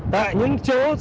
tại những chỗ xếp dỡ hàng hóa